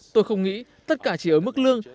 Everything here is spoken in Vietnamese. tôi không nghĩ tất cả chỉ ở mức lượng